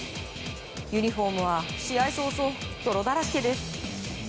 ユニホームは試合早々、泥だらけです。